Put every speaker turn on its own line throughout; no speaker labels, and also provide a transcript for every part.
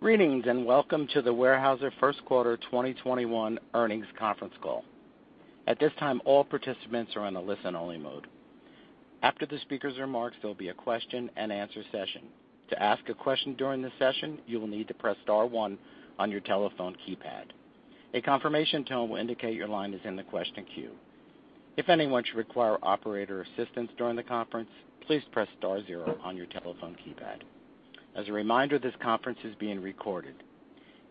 Greetings and welcome to the Weyerhaeuser First Quarter 2021 earnings conference call. At this time all participants are in a listen-only mode. After the speakers remarks, there will be a question-and-answer session. To ask a question during the session, you will need to press star one on your telephone keypad. A confirmation tone will indicate your line is in the question queue. If anyone should require operator assistance during the conference, please press star zero on your telephone keypad. As a reminder, this coference is being recorded.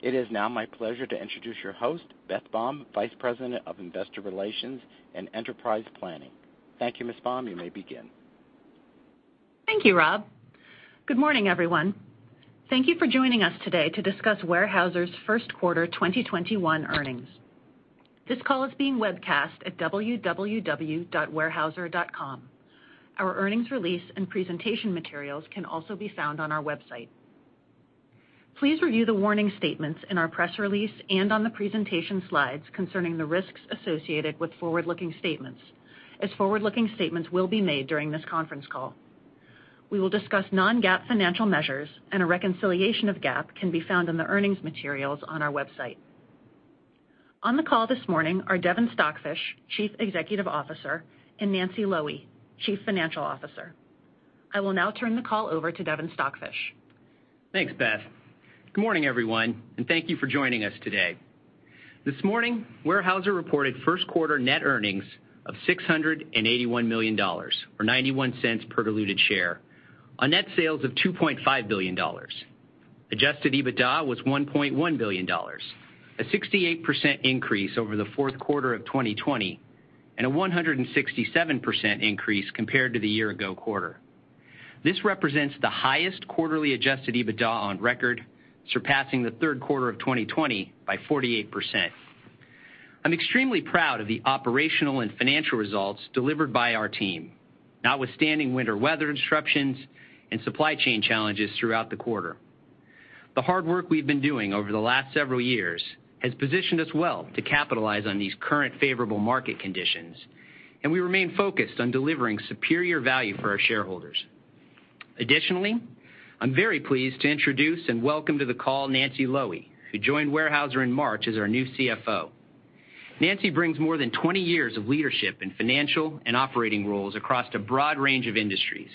It is now my pleasure to introduce your host, Beth Baum, Vice President of Investor Relations and Enterprise Planning. Thank you, Ms. Baum. You may begin.
Thank you, Rob. Good morning, everyone. Thank you for joining us today to discuss Weyerhaeuser's first quarter 2021 earnings. This call is being webcast at www.weyerhaeuser.com. Our earnings release and presentation materials can also be found on our website. Please review the warning statements in our press release and on the presentation slides concerning the risks associated with forward-looking statements, as forward-looking statements will be made during this conference call. We will discuss non-GAAP financial measures and a reconciliation of GAAP can be found in the earnings materials on our website. On the call this morning are Devin Stockfish, Chief Executive Officer, and Nancy Loewe, Chief Financial Officer. I will now turn the call over to Devin Stockfish.
Thanks, Beth. Good morning, everyone, and thank you for joining us today. This morning, Weyerhaeuser reported first quarter net earnings of $681 million, or $0.91 per diluted share, on net sales of $2.5 billion. Adjusted EBITDA was $1.1 billion, a 68% increase over the fourth quarter of 2020, and a 167% increase compared to the year-ago quarter. This represents the highest quarterly adjusted EBITDA on record, surpassing the third quarter of 2020 by 48%. I'm extremely proud of the operational and financial results delivered by our team, notwithstanding winter weather disruptions and supply chain challenges throughout the quarter. The hard work we've been doing over the last several years has positioned us well to capitalize on these current favorable market conditions, and we remain focused on delivering superior value for our shareholders. I'm very pleased to introduce and welcome to the call Nancy Loewe, who joined Weyerhaeuser in March as our new CFO. Nancy brings more than 20 years of leadership in financial and operating roles across a broad range of industries.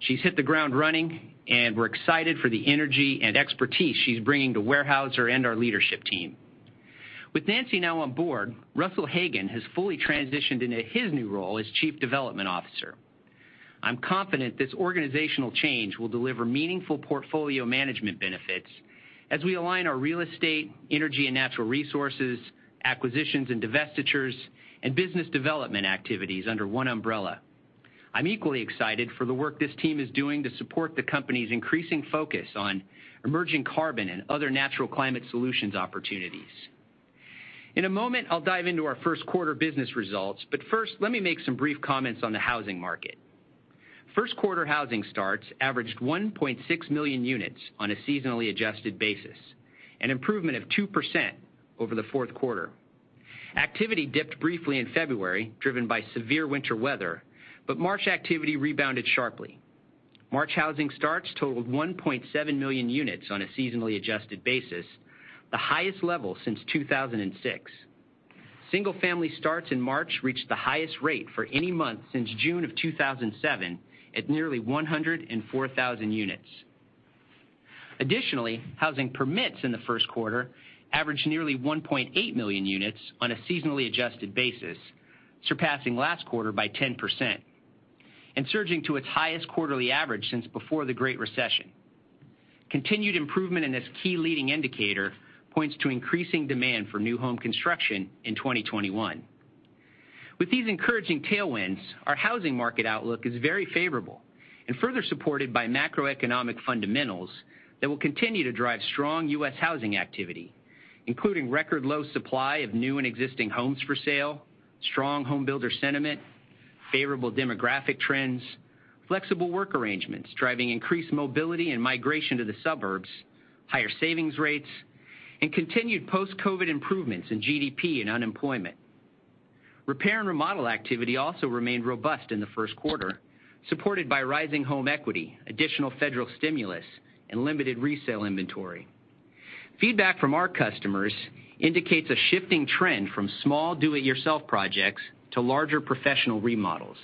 She's hit the ground running, and we're excited for the energy and expertise she's bringing to Weyerhaeuser and our leadership team. With Nancy now on board, Russell Hagen has fully transitioned into his new role as Chief Development Officer. I'm confident this organizational change will deliver meaningful portfolio management benefits as we align our Real Estate, Energy & Natural Resources, acquisitions and divestitures, and business development activities under one umbrella. I'm equally excited for the work this team is doing to support the company's increasing focus on emerging carbon and other natural climate solutions opportunities. In a moment, I'll dive into our first quarter business results, but first, let me make some brief comments on the housing market. First quarter housing starts averaged 1.6 million units on a seasonally adjusted basis, an improvement of 2% over the fourth quarter. Activity dipped briefly in February, driven by severe winter weather, but March activity rebounded sharply. March housing starts totaled 1.7 million units on a seasonally adjusted basis, the highest level since 2006. Single family starts in March reached the highest rate for any month since June of 2007, at nearly 104,000 units. Additionally, housing permits in the first quarter averaged nearly 1.8 million units on a seasonally adjusted basis, surpassing last quarter by 10%, and surging to its highest quarterly average since before the Great Recession. Continued improvement in this key leading indicator points to increasing demand for new home construction in 2021. With these encouraging tailwinds, our housing market outlook is very favorable and further supported by macroeconomic fundamentals that will continue to drive strong U.S. housing activity, including record low supply of new and existing homes for sale, strong home builder sentiment, favorable demographic trends, flexible work arrangements driving increased mobility and migration to the suburbs, higher savings rates, and continued post-COVID improvements in GDP and unemployment. Repair and remodel activity also remained robust in the first quarter, supported by rising home equity, additional federal stimulus, and limited resale inventory. Feedback from our customers indicates a shifting trend from small do-it-yourself projects to larger professional remodels.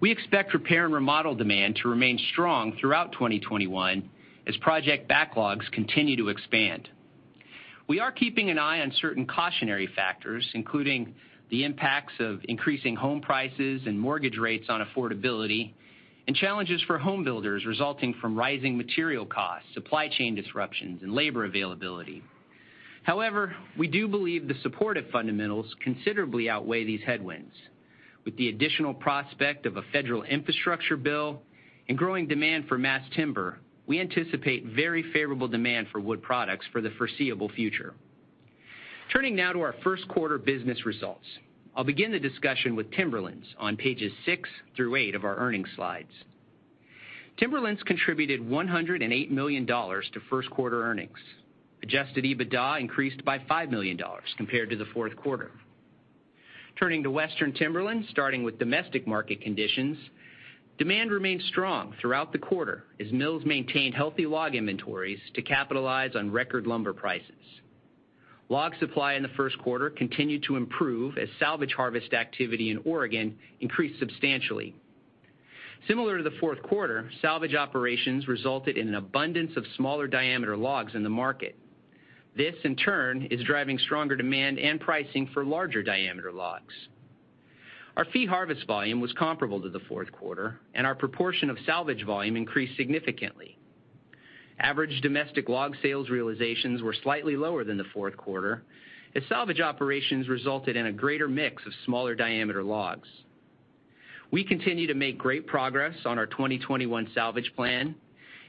We expect repair and remodel demand to remain strong throughout 2021 as project backlogs continue to expand. We are keeping an eye on certain cautionary factors, including the impacts of increasing home prices and mortgage rates on affordability, and challenges for home builders resulting from rising material costs, supply chain disruptions, and labor availability. We do believe the supportive fundamentals considerably outweigh these headwinds. With the additional prospect of a federal infrastructure bill and growing demand for mass timber, we anticipate very favorable demand for wood products for the foreseeable future. Turning now to our first quarter business results. I'll begin the discussion with Timberlands on pages six through eight of our earnings slides. Timberlands contributed $108 million to first quarter earnings. Adjusted EBITDA increased by $5 million compared to the fourth quarter. Turning to Western Timberlands, starting with domestic market conditions, demand remained strong throughout the quarter as mills maintained healthy log inventories to capitalize on record lumber prices. Log supply in the first quarter continued to improve as salvage harvest activity in Oregon increased substantially. Similar to the fourth quarter, salvage operations resulted in an abundance of smaller diameter logs in the market. This, in turn, is driving stronger demand and pricing for larger diameter logs. Our fee harvest volume was comparable to the fourth quarter, and our proportion of salvage volume increased significantly. Average domestic log sales realizations were slightly lower than the fourth quarter, as salvage operations resulted in a greater mix of smaller diameter logs. We continue to make great progress on our 2021 salvage plan,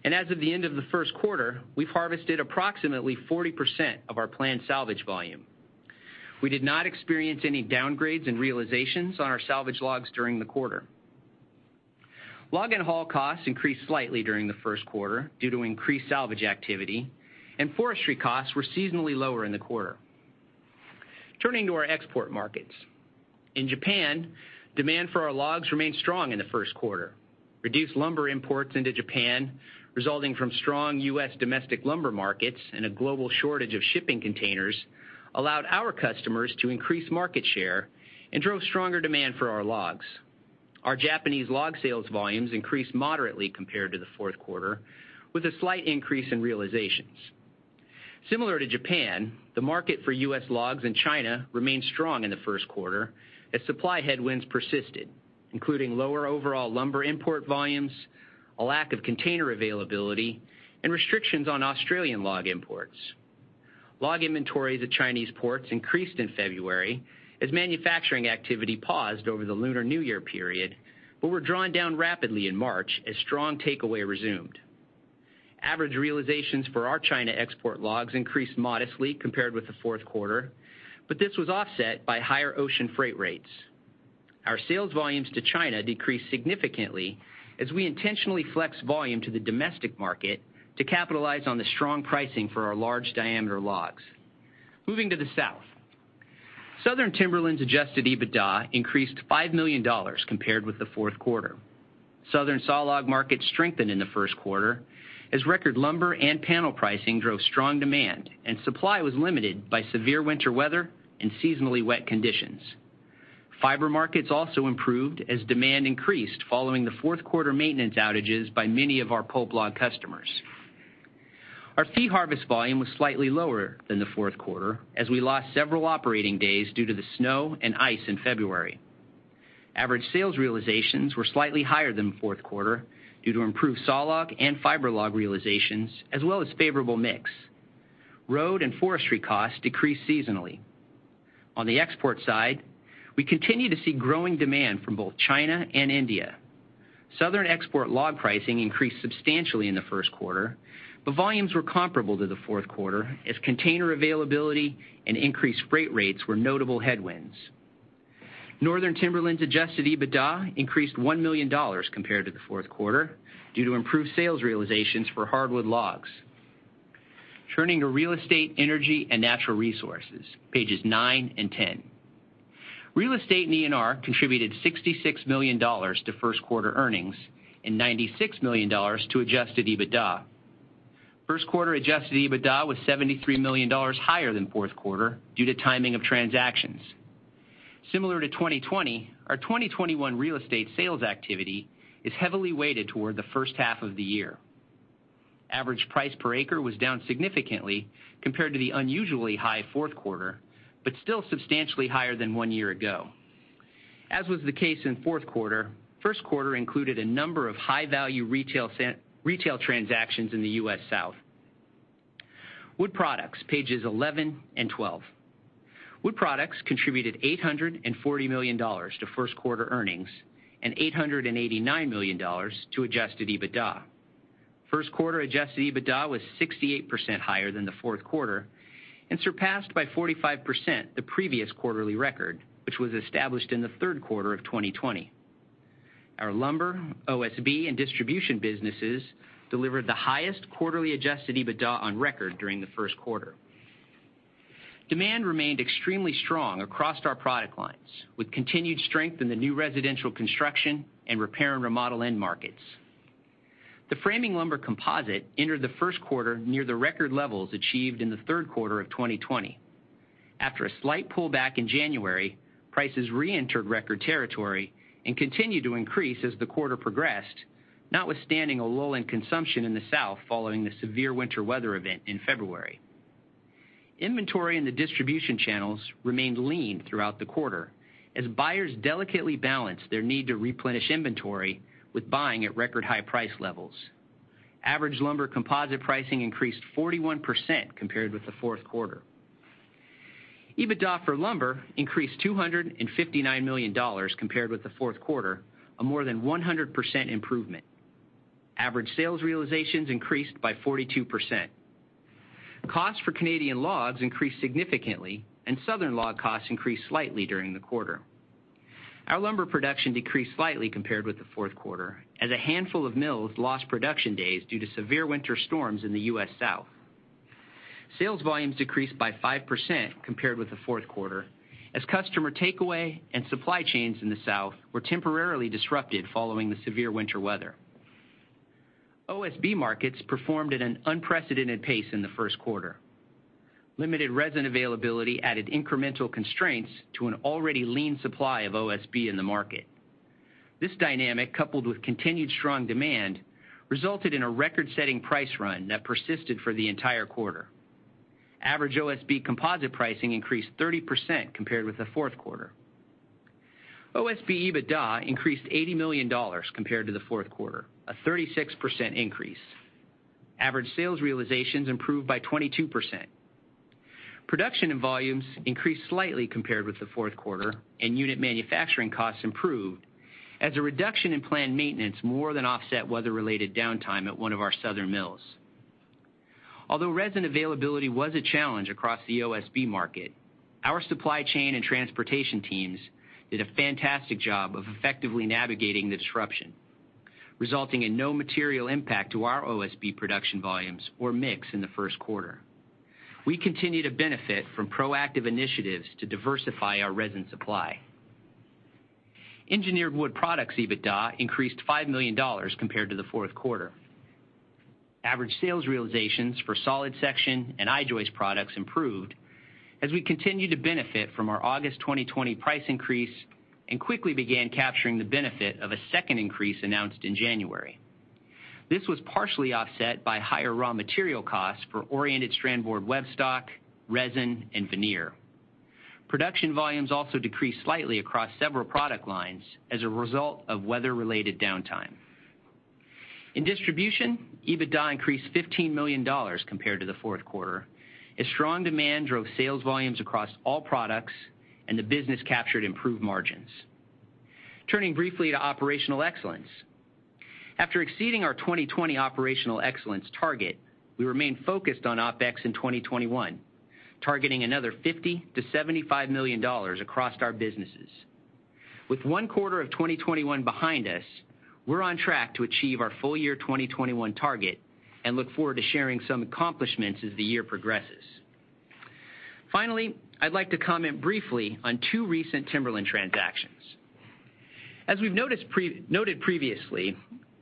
and as of the end of the first quarter, we've harvested approximately 40% of our planned salvage volume. We did not experience any downgrades in realizations on our salvage logs during the quarter. Log and haul costs increased slightly during the first quarter due to increased salvage activity. Forestry costs were seasonally lower in the quarter. Turning to our export markets. In Japan, demand for our logs remained strong in the first quarter. Reduced lumber imports into Japan, resulting from strong U.S. domestic lumber markets and a global shortage of shipping containers, allowed our customers to increase market share and drove stronger demand for our logs. Our Japanese log sales volumes increased moderately compared to the fourth quarter, with a slight increase in realizations. Similar to Japan, the market for U.S. logs in China remained strong in the first quarter as supply headwinds persisted, including lower overall lumber import volumes, a lack of container availability, and restrictions on Australian log imports. Log inventories at Chinese ports increased in February as manufacturing activity paused over the Lunar New Year period but were drawn down rapidly in March as strong takeaway resumed. Average realizations for our China export logs increased modestly compared with the fourth quarter, but this was offset by higher ocean freight rates. Our sales volumes to China decreased significantly as we intentionally flexed volume to the domestic market to capitalize on the strong pricing for our large-diameter logs. Moving to the South. Southern Timberlands' adjusted EBITDA increased $5 million compared with the fourth quarter. Southern sawlog markets strengthened in the first quarter as record lumber and panel pricing drove strong demand and supply was limited by severe winter weather and seasonally wet conditions. Fiber markets also improved as demand increased following the fourth quarter maintenance outages by many of our pulp log customers. Our fee harvest volume was slightly lower than the fourth quarter as we lost several operating days due to the snow and ice in February. Average sales realizations were slightly higher than the fourth quarter due to improved sawlog and fiber log realizations, as well as favorable mix. Road and forestry costs decreased seasonally. On the export side, we continue to see growing demand from both China and India. Southern export log pricing increased substantially in the first quarter, but volumes were comparable to the fourth quarter as container availability and increased freight rates were notable headwinds. Northern Timberlands' adjusted EBITDA increased $1 million compared to the fourth quarter due to improved sales realizations for hardwood logs. Turning to Real Estate, Energy & Natural Resources, pages nine and 10. Real Estate and ENR contributed $66 million to first quarter earnings and $96 million to adjusted EBITDA. First quarter adjusted EBITDA was $73 million higher than fourth quarter due to timing of transactions. Similar to 2020, our 2021 real estate sales activity is heavily weighted toward the first half of the year. Average price per acre was down significantly compared to the unusually high fourth quarter, but still substantially higher than one year ago. As was the case in fourth quarter, first quarter included a number of high-value retail transactions in the U.S. South. Wood Products, pages 11 and 12. Wood Products contributed $840 million to first quarter earnings and $889 million to adjusted EBITDA. First quarter adjusted EBITDA was 68% higher than the fourth quarter and surpassed by 45% the previous quarterly record, which was established in the third quarter of 2020. Our lumber, OSB, and distribution businesses delivered the highest quarterly adjusted EBITDA on record during the first quarter. Demand remained extremely strong across our product lines, with continued strength in the new residential construction and repair and remodel end markets. The Framing Lumber Composite entered the first quarter near the record levels achieved in the third quarter of 2020. After a slight pullback in January, prices re-entered record territory and continued to increase as the quarter progressed, notwithstanding a lull in consumption in the South following the severe winter weather event in February. Inventory in the distribution channels remained lean throughout the quarter as buyers delicately balanced their need to replenish inventory with buying at record-high price levels. Average lumber composite pricing increased 41% compared with the fourth quarter. EBITDA for lumber increased $259 million compared with the fourth quarter, a more than 100% improvement. Average sales realizations increased by 42%. Costs for Canadian logs increased significantly, and Southern log costs increased slightly during the quarter. Our lumber production decreased slightly compared with the fourth quarter as a handful of mills lost production days due to severe winter storms in the U.S. South. Sales volumes decreased by 5% compared with the fourth quarter, as customer takeaway and supply chains in the South were temporarily disrupted following the severe winter weather. OSB markets performed at an unprecedented pace in the first quarter. Limited resin availability added incremental constraints to an already lean supply of OSB in the market. This dynamic, coupled with continued strong demand, resulted in a record-setting price run that persisted for the entire quarter. Average OSB composite pricing increased 30% compared with the fourth quarter. OSB EBITDA increased $80 million compared to the fourth quarter, a 36% increase. Average sales realizations improved by 22%. Production and volumes increased slightly compared with the fourth quarter, and unit manufacturing costs improved as a reduction in planned maintenance more than offset weather-related downtime at one of our southern mills. Although resin availability was a challenge across the OSB market, our supply chain and transportation teams did a fantastic job of effectively navigating the disruption, resulting in no material impact to our OSB production volumes or mix in the first quarter. We continue to benefit from proactive initiatives to diversify our resin supply. engineered wood products EBITDA increased $5 million compared to the fourth quarter. Average sales realizations for solid section and I-joist products improved as we continue to benefit from our August 2020 price increase and quickly began capturing the benefit of a second increase announced in January. This was partially offset by higher raw material costs for Oriented Strand Board web stock, resin, and veneer. Production volumes also decreased slightly across several product lines as a result of weather-related downtime. In distribution, EBITDA increased $15 million compared to the fourth quarter as strong demand drove sales volumes across all products and the business captured improved margins. Turning briefly to operational excellence. After exceeding our 2020 operational excellence target, we remain focused on OpEx in 2021, targeting another $50 million-$75 million across our businesses. With one quarter of 2021 behind us, we're on track to achieve our full year 2021 target and look forward to sharing some accomplishments as the year progresses. Finally, I'd like to comment briefly on two recent timberland transactions. As we've noted previously,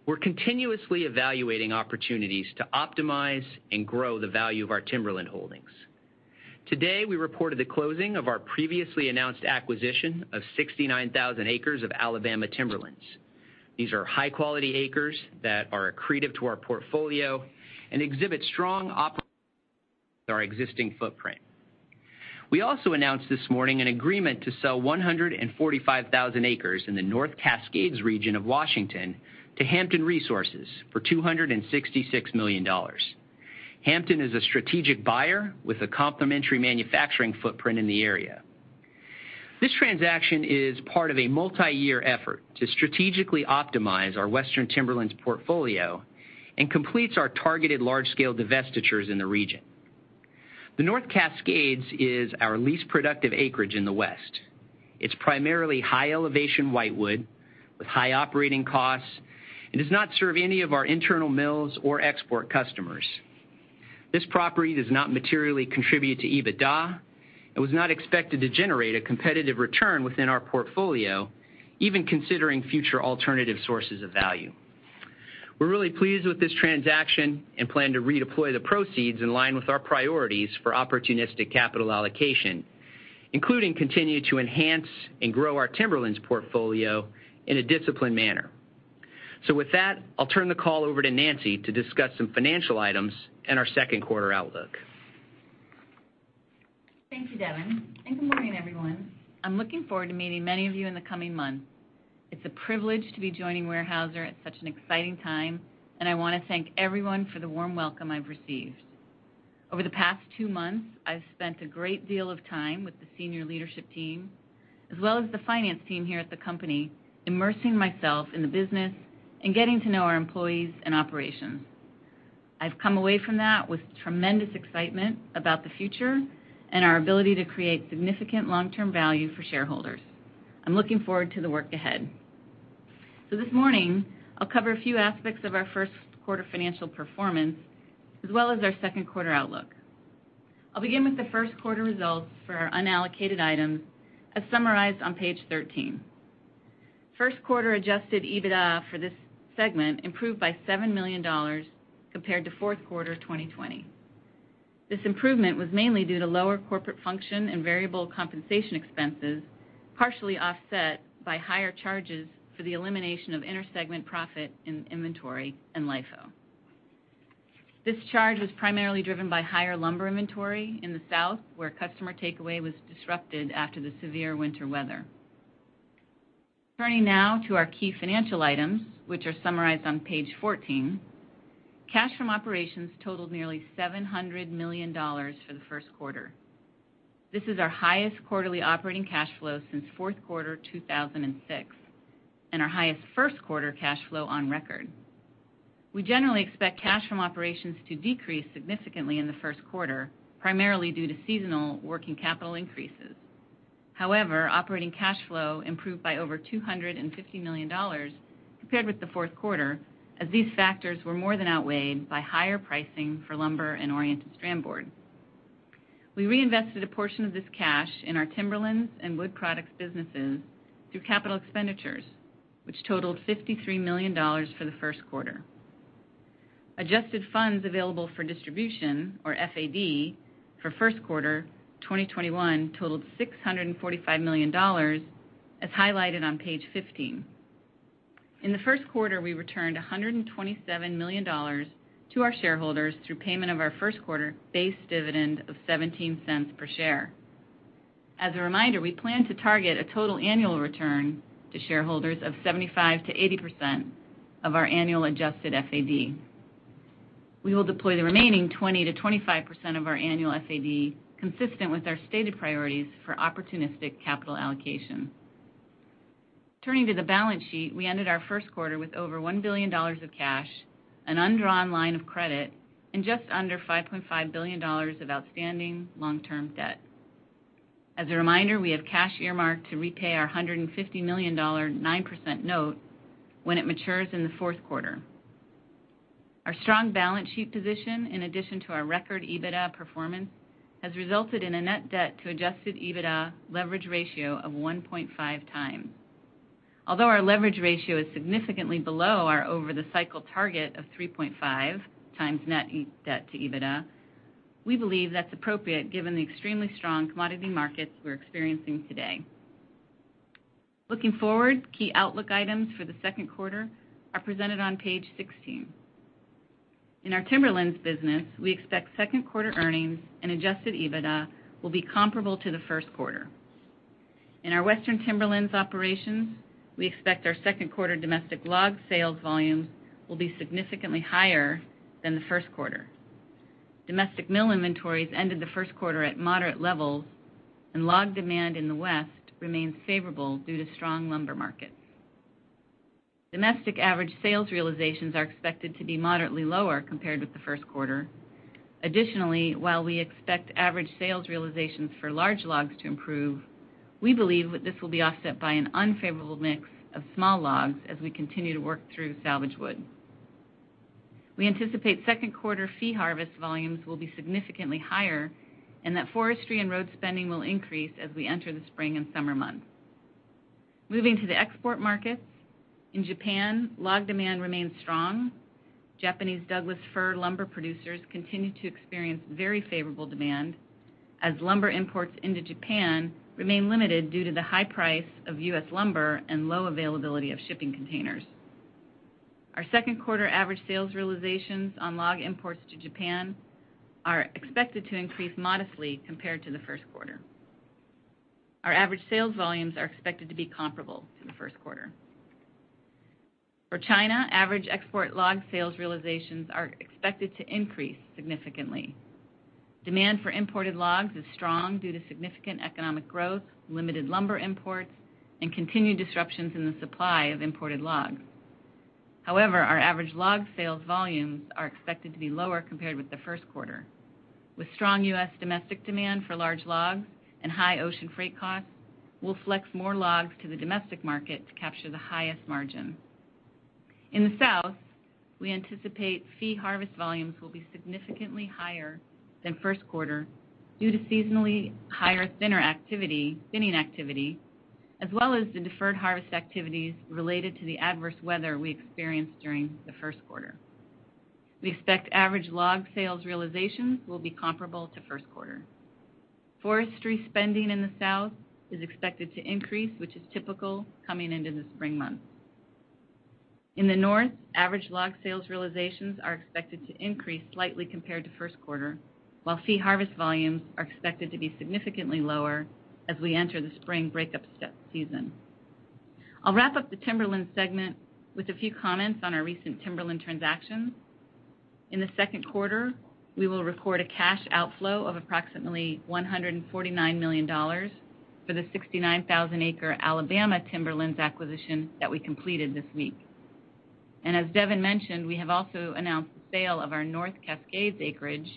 we're continuously evaluating opportunities to optimize and grow the value of our timberland holdings. Today, we reported the closing of our previously announced acquisition of 69,000 acres of Alabama timberlands. These are high-quality acres that are accretive to our portfolio and exhibit strong operating with our existing footprint. We also announced this morning an agreement to sell 145,000 acres in the North Cascades region of Washington to Hampton Resources for $266 million. Hampton is a strategic buyer with a complementary manufacturing footprint in the area. This transaction is part of a multi-year effort to strategically optimize our Western Timberlands portfolio and completes our targeted large-scale divestitures in the region. The North Cascades is our least productive acreage in the West. It's primarily high-elevation white wood with high operating costs and does not serve any of our internal mills or export customers. This property does not materially contribute to EBITDA and was not expected to generate a competitive return within our portfolio, even considering future alternative sources of value. We're really pleased with this transaction and plan to redeploy the proceeds in line with our priorities for opportunistic capital allocation, including continue to enhance and grow our Timberlands portfolio in a disciplined manner. With that, I'll turn the call over to Nancy to discuss some financial items and our second quarter outlook.
Thank you, Devin. Good morning, everyone. I'm looking forward to meeting many of you in the coming months. It's a privilege to be joining Weyerhaeuser at such an exciting time, and I want to thank everyone for the warm welcome I've received. Over the past two months, I've spent a great deal of time with the senior leadership team, as well as the finance team here at the company, immersing myself in the business and getting to know our employees and operations. I've come away from that with tremendous excitement about the future and our ability to create significant long-term value for shareholders. I'm looking forward to the work ahead. This morning, I'll cover a few aspects of our first quarter financial performance, as well as our second quarter outlook. I'll begin with the first quarter results for our unallocated items, as summarized on Page 13. First quarter adjusted EBITDA for this segment improved by $7 million compared to fourth quarter 2020. This improvement was mainly due to lower corporate function and variable compensation expenses, partially offset by higher charges for the elimination of inter-segment profit in inventory and LIFO. This charge was primarily driven by higher lumber inventory in the South, where customer takeaway was disrupted after the severe winter weather. Turning now to our key financial items, which are summarized on Page 14. Cash from operations totaled nearly $700 million for the first quarter. This is our highest quarterly operating cash flow since fourth quarter 2006 and our highest first-quarter cash flow on record. We generally expect cash from operations to decrease significantly in the first quarter, primarily due to seasonal working capital increases. However, operating cash flow improved by over $250 million compared with the fourth quarter, as these factors were more than outweighed by higher pricing for lumber and Oriented Strand Board. We reinvested a portion of this cash in our timberlands and wood products businesses through capital expenditures, which totaled $53 million for the first quarter. Adjusted funds available for distribution, or FAD, for first quarter 2021 totaled $645 million, as highlighted on page 15. In the first quarter, we returned $127 million to our shareholders through payment of our first quarter base dividend of $0.17 per share. As a reminder, we plan to target a total annual return to shareholders of 75%-80% of our annual adjusted FAD. We will deploy the remaining 20%-25% of our annual FAD consistent with our stated priorities for opportunistic capital allocation. Turning to the balance sheet, we ended our first quarter with over $1 billion of cash, an undrawn line of credit, and just under $5.5 billion of outstanding long-term debt. As a reminder, we have cash earmarked to repay our $150 million 9% note when it matures in the fourth quarter. Our strong balance sheet position, in addition to our record EBITDA performance, has resulted in a net debt to adjusted EBITDA leverage ratio of 1.5x. Although our leverage ratio is significantly below our over-the-cycle target of 3.5x net debt to EBITDA, we believe that's appropriate given the extremely strong commodity markets we're experiencing today. Looking forward, key outlook items for the second quarter are presented on page 16. In our Timberlands business, we expect second quarter earnings and adjusted EBITDA will be comparable to the first quarter. In our Western Timberlands operations, we expect our second quarter domestic log sales volumes will be significantly higher than the first quarter. Domestic mill inventories ended the first quarter at moderate levels, and log demand in the West remains favorable due to strong lumber markets. Domestic average sales realizations are expected to be moderately lower compared with the first quarter. Additionally, while we expect average sales realizations for large logs to improve, we believe this will be offset by an unfavorable mix of small logs as we continue to work through salvage wood. We anticipate second quarter fee harvest volumes will be significantly higher, and that forestry and road spending will increase as we enter the spring and summer months. Moving to the export markets, in Japan, log demand remains strong. Japanese Douglas fir lumber producers continue to experience very favorable demand as lumber imports into Japan remain limited due to the high price of U.S. lumber and low availability of shipping containers. Our second quarter average sales realizations on log imports to Japan are expected to increase modestly compared to the first quarter. Our average sales volumes are expected to be comparable to the first quarter. For China, average export log sales realizations are expected to increase significantly. Demand for imported logs is strong due to significant economic growth, limited lumber imports, and continued disruptions in the supply of imported logs. However, our average log sales volumes are expected to be lower compared with the first quarter. With strong U.S. domestic demand for large logs and high ocean freight costs, we'll flex more logs to the domestic market to capture the highest margin. In the South, we anticipate fee harvest volumes will be significantly higher than first quarter due to seasonally higher thinning activity, as well as the deferred harvest activities related to the adverse weather we experienced during the first quarter. We expect average log sales realizations will be comparable to first quarter. Forestry spending in the South is expected to increase, which is typical coming into the spring months. In the North, average log sales realizations are expected to increase slightly compared to first quarter, while fee harvest volumes are expected to be significantly lower as we enter the spring breakup season. I'll wrap up the Timberlands segment with a few comments on our recent timberland transactions. In the second quarter, we will record a cash outflow of approximately $149 million for the 69,000-acre Alabama timberlands acquisition that we completed this week. As Devin mentioned, we have also announced the sale of our North Cascades acreage,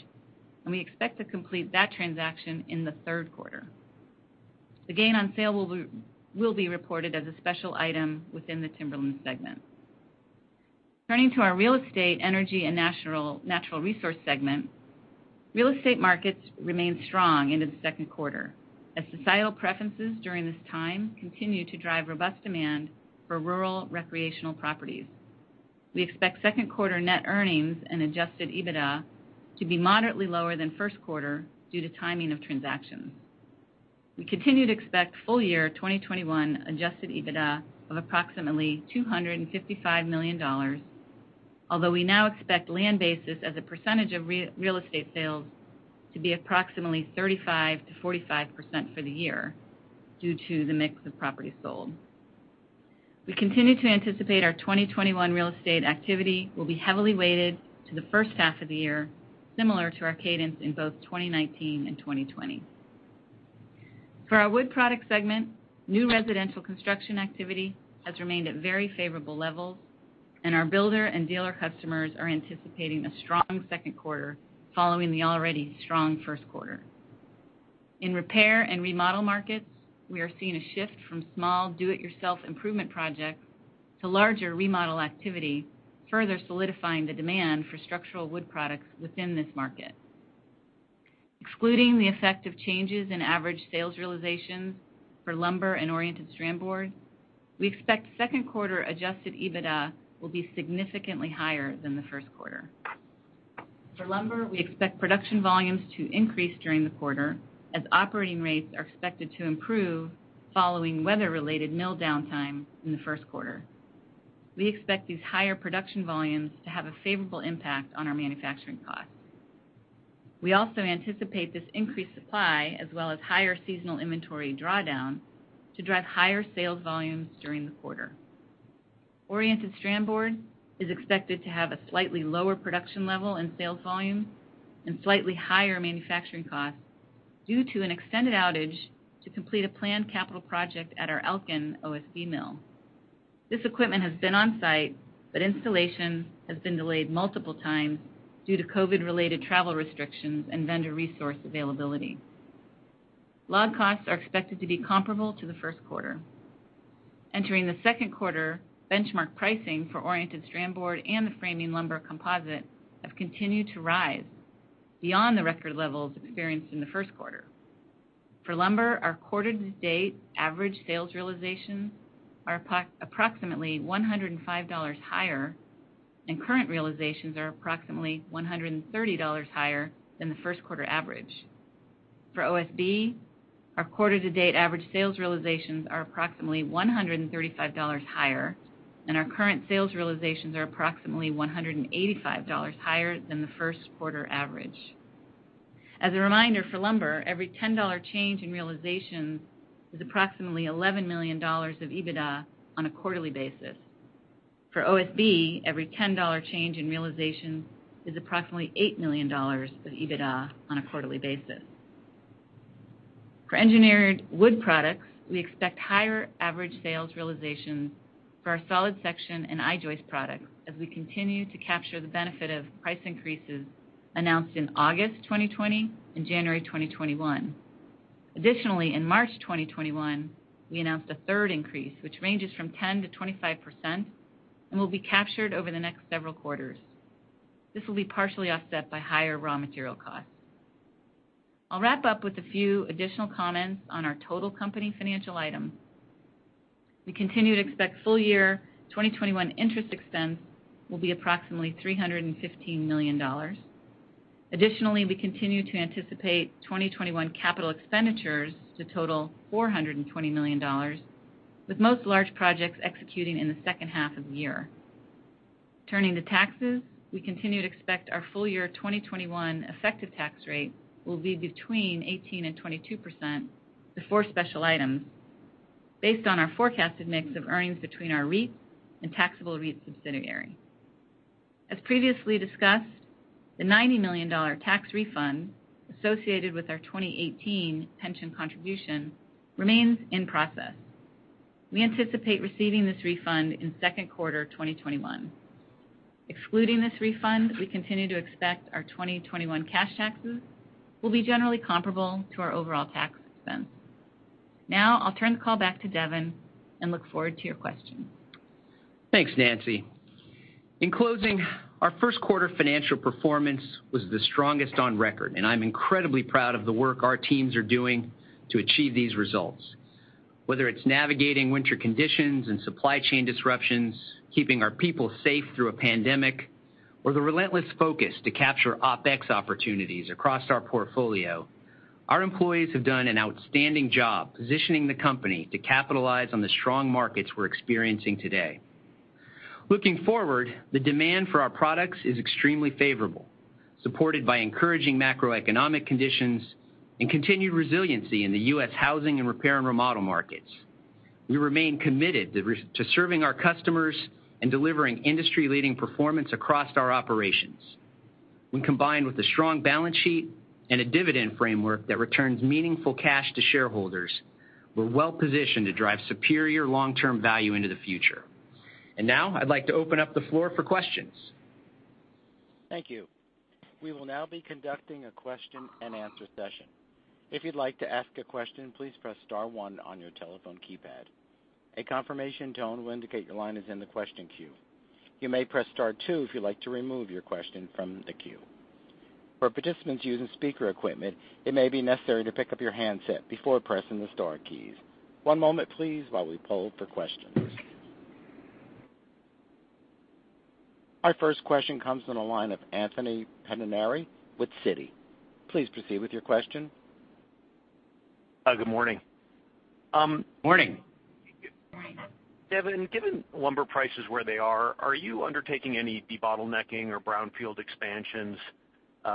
and we expect to complete that transaction in the third quarter. The gain on sale will be reported as a special item within the Timberlands segment. Turning to our Real Estate, Energy & Natural Resources segment, real estate markets remain strong into the second quarter as societal preferences during this time continue to drive robust demand for rural recreational properties. We expect second quarter net earnings and adjusted EBITDA to be moderately lower than first quarter due to timing of transactions. We continue to expect full year 2021 adjusted EBITDA of approximately $255 million, although we now expect land basis as a percentage of real estate sales to be approximately 35%-45% for the year due to the mix of properties sold. We continue to anticipate our 2021 real estate activity will be heavily weighted to the first half of the year, similar to our cadence in both 2019 and 2020. For our Wood Products segment, new residential construction activity has remained at very favorable levels. Our builder and dealer customers are anticipating a strong second quarter following the already strong first quarter. In repair and remodel markets, we are seeing a shift from small do-it-yourself improvement projects to larger remodel activity, further solidifying the demand for structural wood products within this market. Excluding the effect of changes in average sales realizations for lumber and Oriented Strand Board, we expect second quarter adjusted EBITDA will be significantly higher than the first quarter. For lumber, we expect production volumes to increase during the quarter as operating rates are expected to improve following weather-related mill downtime in the first quarter. We expect these higher production volumes to have a favorable impact on our manufacturing costs. We also anticipate this increased supply as well as higher seasonal inventory drawdown to drive higher sales volumes during the quarter. Oriented Strand Board is expected to have a slightly lower production level in sales volume and slightly higher manufacturing costs due to an extended outage to complete a planned capital project at our Elkin OSB mill. This equipment has been on site, but installation has been delayed multiple times due to COVID-related travel restrictions and vendor resource availability. Log costs are expected to be comparable to the first quarter. Entering the second quarter, benchmark pricing for Oriented Strand Board and the Framing Lumber Composite have continued to rise beyond the record levels experienced in the first quarter. For lumber, our quarter to date average sales realizations are approximately $105 higher, and current realizations are approximately $130 higher than the first quarter average. For OSB, our quarter to date average sales realizations are approximately $135 higher, and our current sales realizations are approximately $185 higher than the first quarter average. As a reminder, for lumber, every $10 change in realization is approximately $11 million of EBITDA on a quarterly basis. For OSB, every $10 change in realization is approximately $8 million of EBITDA on a quarterly basis. For engineered wood products, we expect higher average sales realizations for our solid section and I-joist products as we continue to capture the benefit of price increases announced in August 2020 and January 2021. Additionally, in March 2021, we announced 1/3 increase, which ranges from 10%-25% and will be captured over the next several quarters. This will be partially offset by higher raw material costs. I'll wrap up with a few additional comments on our total company financial items. We continue to expect full-year 2021 interest expense will be approximately $315 million. Additionally, we continue to anticipate 2021 capital expenditures to total $420 million, with most large projects executing in the second half of the year. Turning to taxes, we continue to expect our full-year 2021 effective tax rate will be between 18%22% before special items based on our forecasted mix of earnings between our REIT and taxable REIT subsidiary. As previously discussed, the $90 million tax refund associated with our 2018 pension contribution remains in process. We anticipate receiving this refund in second quarter 2021. Excluding this refund, we continue to expect our 2021 cash taxes will be generally comparable to our overall tax expense. I'll turn the call back to Devin and look forward to your questions.
Thanks, Nancy. In closing, our first quarter financial performance was the strongest on record. I'm incredibly proud of the work our teams are doing to achieve these results. Whether it's navigating winter conditions and supply chain disruptions, keeping our people safe through a pandemic, or the relentless focus to capture OpEx opportunities across our portfolio, our employees have done an outstanding job positioning the company to capitalize on the strong markets we're experiencing today. Looking forward, the demand for our products is extremely favorable, supported by encouraging macroeconomic conditions and continued resiliency in the U.S. housing and repair and remodel markets. We remain committed to serving our customers and delivering industry-leading performance across our operations. When combined with a strong balance sheet and a dividend framework that returns meaningful cash to shareholders, we're well-positioned to drive superior long-term value into the future. Now I'd like to open up the floor for questions.
Thank you. We will now be conducting a question and answer session. If you'd like to ask a question, please press star one on your telephone keypad. A confirmation tone will indicate your line is in the question queue. You may press star two if you'd like to remove your question from the queue. For participants using speaker equipment, it may be necessary to pick up your handset before pressing the star keys. One moment, please, while we poll for questions. Our first question comes from the line of Anthony Pettinari with Citi. Please proceed with your question.
Good morning.
Morning.
Good morning.
Devin, given lumber prices where they are you undertaking any debottlenecking or brownfield expansions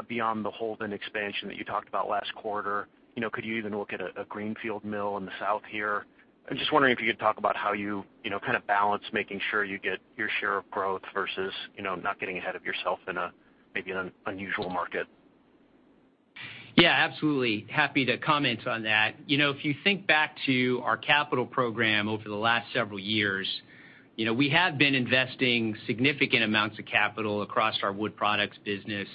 beyond the Holden expansion that you talked about last quarter? Could you even look at a greenfield mill in the South here? I'm just wondering if you could talk about how you kind of balance making sure you get your share of growth versus not getting ahead of yourself in maybe an unusual market.
Yeah, absolutely. Happy to comment on that. If you think back to our capital program over the last several years, we have been investing significant amounts of capital across our Wood Products business.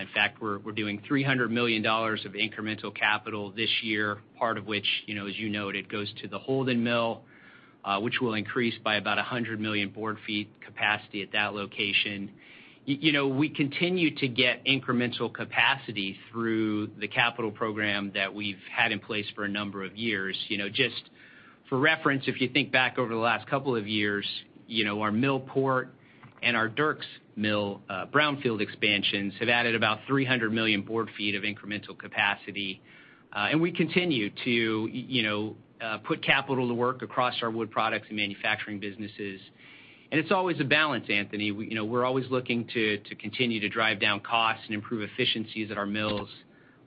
In fact, we're doing $300 million of incremental capital this year, part of which, as you noted, goes to the Holden Mill, which will increase by about 100 million board ft capacity at that location. We continue to get incremental capacity through the capital program that we've had in place for a number of years. Just for reference, if you think back over the last couple of years, our Millport and our Dierks Mill brownfield expansions have added about 300 million board ft of incremental capacity. We continue to put capital to work across our Wood Products and manufacturing businesses. It's always a balance, Anthony. We're always looking to continue to drive down costs and improve efficiencies at our mills.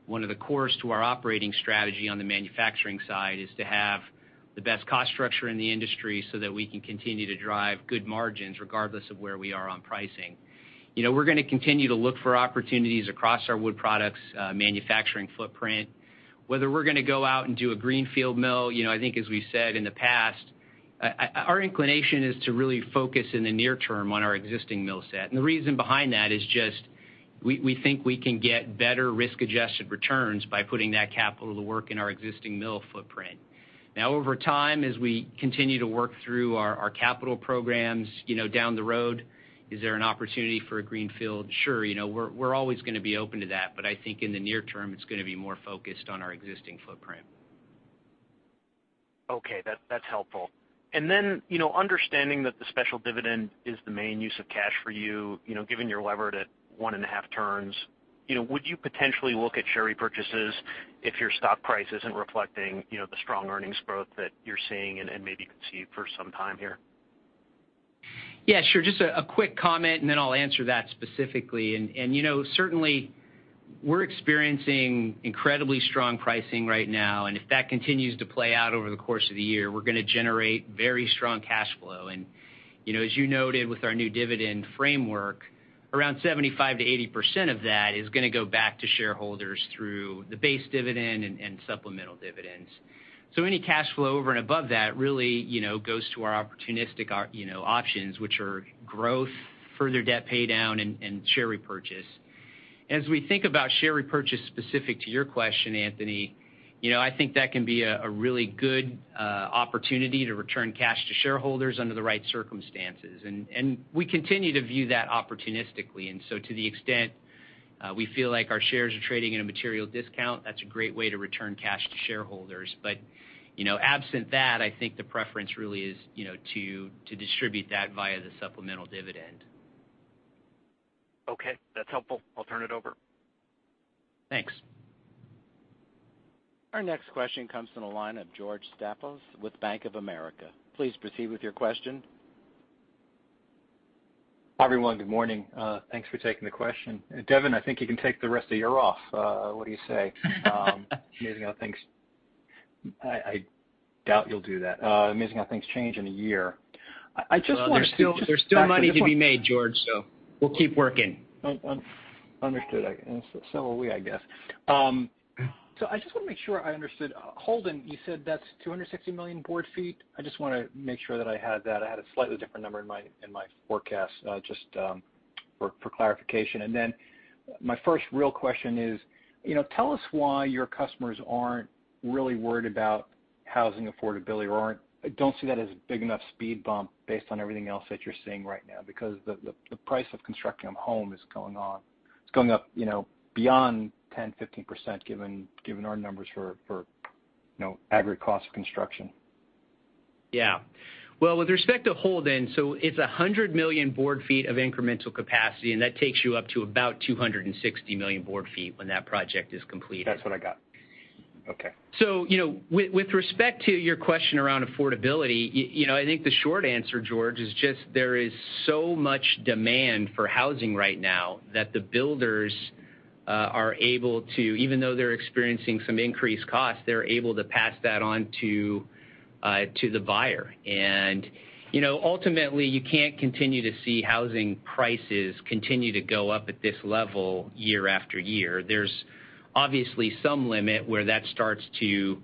One of the cores to our operating strategy on the manufacturing side is to have the best cost structure in the industry so that we can continue to drive good margins regardless of where we are on pricing. We're going to continue to look for opportunities across our Wood Products manufacturing footprint. Whether we're going to go out and do a greenfield mill, I think as we said in the past, our inclination is to really focus in the near term on our existing mill set. The reason behind that is just we think we can get better risk-adjusted returns by putting that capital to work in our existing mill footprint. Over time, as we continue to work through our capital programs down the road, is there an opportunity for a greenfield? Sure. We're always going to be open to that, but I think in the near term, it's going to be more focused on our existing footprint.
Okay. That's helpful. Understanding that the special dividend is the main use of cash for you, given you're levered at one and a half turns, would you potentially look at share repurchases if your stock price isn't reflecting the strong earnings growth that you're seeing and maybe could see for some time here?
Yeah, sure. Just a quick comment, then I'll answer that specifically. Certainly, we're experiencing incredibly strong pricing right now. If that continues to play out over the course of the year, we're going to generate very strong cash flow. As you noted with our new dividend framework, around 75%-80% of that is going to go back to shareholders through the base dividend and supplemental dividends. Any cash flow over and above that really goes to our opportunistic options, which are growth, further debt paydown, and share repurchase. As we think about share repurchase specific to your question, Anthony, I think that can be a really good opportunity to return cash to shareholders under the right circumstances. We continue to view that opportunistically. To the extent we feel like our shares are trading at a material discount, that's a great way to return cash to shareholders. Absent that, I think the preference really is to distribute that via the supplemental dividend.
Okay. That's helpful. I'll turn it over.
Thanks.
Our next question comes from the line of George Staphos with Bank of America. Please proceed with your question.
Hi, everyone. Good morning. Thanks for taking the question. Devin, I think you can take the rest of year off. What do you say? I doubt you'll do that. Amazing how things change in a year.
There's still money to be made, George, so we'll keep working.
Understood. Will we, I guess. I just want to make sure I understood. Holden, you said that's 260 million board ft? I just want to make sure that I had that. I had a slightly different number in my forecast, just for clarification. My first real question is, tell us why your customers aren't really worried about housing affordability or don't see that as a big enough speed bump based on everything else that you're seeing right now. Because the price of constructing a home is going up beyond 10%-15%, given our numbers for aggregate cost of construction.
Yeah. Well, with respect to Holden, it's 100 million board ft of incremental capacity, and that takes you up to about 260 million board ft when that project is completed.
That's what I got. Okay.
With respect to your question around affordability, I think the short answer, George, is just there is so much demand for housing right now that the builders are able to, even though they're experiencing some increased costs, they're able to pass that on to the buyer. Ultimately, you can't continue to see housing prices continue to go up at this level year after year. There's obviously some limit where that starts to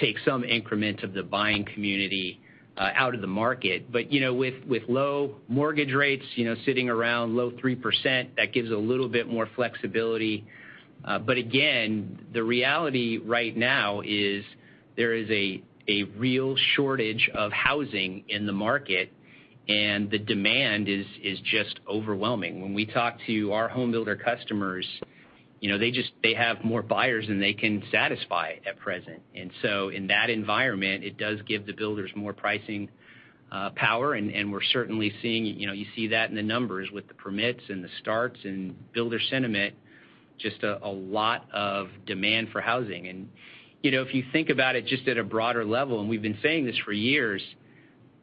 take some increment of the buying community out of the market. With low mortgage rates sitting around low 3%, that gives a little bit more flexibility. Again, the reality right now is there is a real shortage of housing in the market, and the demand is just overwhelming. When we talk to our home builder customers, they have more buyers than they can satisfy at present. In that environment, it does give the builders more pricing power, and we're certainly seeing, you see that in the numbers with the permits and the starts and builder sentiment, just a lot of demand for housing. If you think about it just at a broader level, and we've been saying this for years,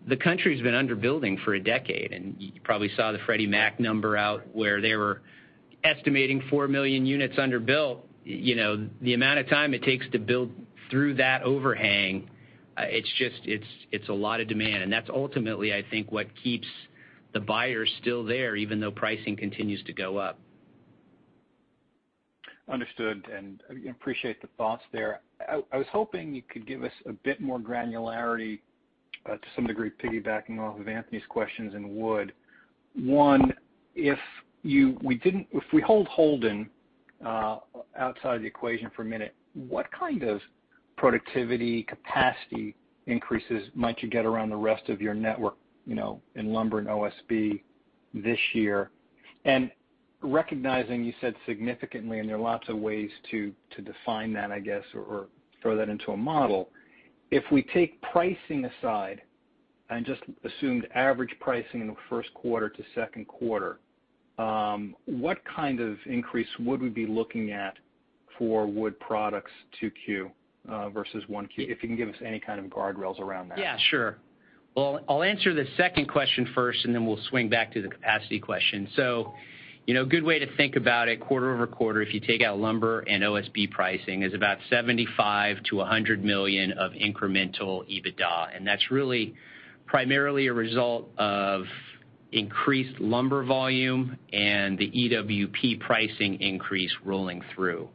the country's been under-building for a decade. You probably saw the Freddie Mac number out where they were estimating 4 million units under-built. The amount of time it takes to build through that overhang, it's a lot of demand. That's ultimately, I think, what keeps the buyers still there, even though pricing continues to go up.
Understood, appreciate the thoughts there. I was hoping you could give us a bit more granularity, to some degree, piggybacking off of Anthony's questions in wood. One, if we hold Holden outside the equation for a minute, what kind of productivity capacity increases might you get around the rest of your network in lumber and OSB this year? Recognizing you said significantly, and there are lots of ways to define that, I guess, or throw that into a model. If we take pricing aside and just assumed average pricing in the first quarter to second quarter, what kind of increase would we be looking at for Wood Products 2Q versus 1Q? If you can give us any kind of guardrails around that.
Yeah, sure. Well, I'll answer the second question first, then we'll swing back to the capacity question. A good way to think about it quarter-over-quarter, if you take out lumber and OSB pricing, is about $75 million-$100 million of incremental EBITDA. That's really primarily a result of increased lumber volume and the EWP pricing increase rolling through.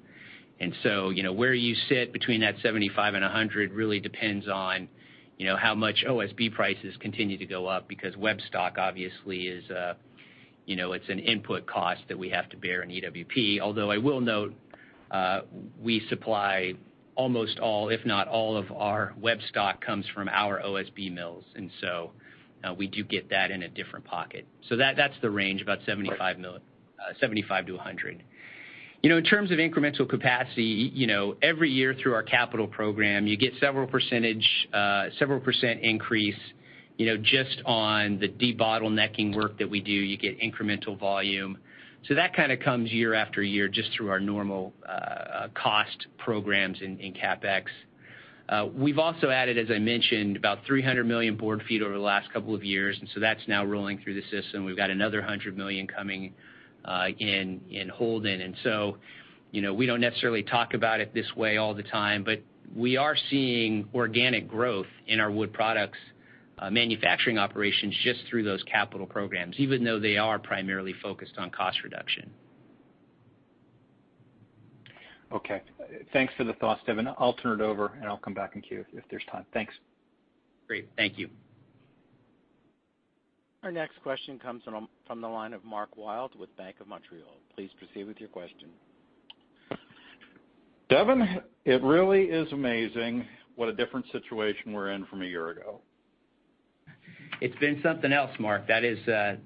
Where you sit between that 75 and 100 really depends on how much OSB prices continue to go up because web stock, obviously it's an input cost that we have to bear in EWP. Although I will note, we supply almost all, if not all of our web stock comes from our OSB mills. We do get that in a different pocket. That's the range, about 75-100. In terms of incremental capacity, every year through our capital program, you get several percent increase just on the debottlenecking work that we do. You get incremental volume. That kind of comes year after year just through our normal cost programs in CapEx. We've also added, as I mentioned, about 300 million board ft over the last couple of years, and so that's now rolling through the system. We've got another 100 million coming in Holden. We don't necessarily talk about it this way all the time, but we are seeing organic growth in our wood products manufacturing operations just through those capital programs, even though they are primarily focused on cost reduction.
Okay. Thanks for the thoughts, Devin. I'll turn it over, and I'll come back in queue if there's time. Thanks.
Great. Thank you.
Our next question comes from the line of Mark Wilde with Bank of Montreal. Please proceed with your question.
Devin, it really is amazing what a different situation we're in from a year ago.
It's been something else, Mark. That is to